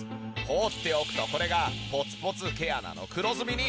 放っておくとこれがポツポツ毛穴の黒ずみに。